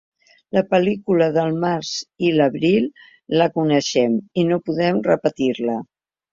La pel·lícula del març i l’abril la coneixem, i no podem repetir-la.